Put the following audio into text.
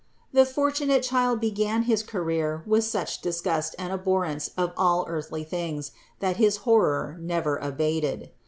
The fortunate child began his career with such disgust and abhorrence of all earthly things, that his horror never abated.